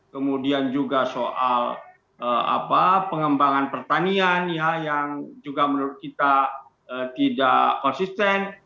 kemudian juga soal pengembangan pertanian yang juga menurut kita tidak konsisten